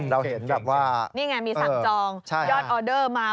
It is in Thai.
เราเห็นแบบว่านี่ไงมีสั่งจองยอดออเดอร์มา